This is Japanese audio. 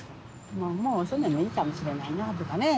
もうおそうめんもいいかもしれないなぁとかね。